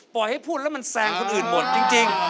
ให้พูดแล้วมันแซงคนอื่นหมดจริง